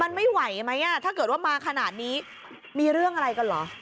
มันไม่ไหวไหมอ่ะถ้าเกิดว่ามาขนาดนี้มีเรื่องอะไรกันเหรอ